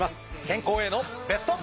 健康へのベスト。